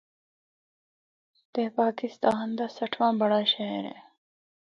تے پاکستان دا سٹھواں بڑا شہر اے۔